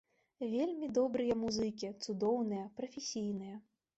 Вельмі добрыя музыкі, цудоўныя, прафесійныя.